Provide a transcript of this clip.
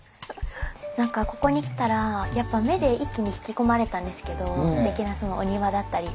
何かここに来たらやっぱ目で一気に引き込まれたんですけどすてきなお庭だったり。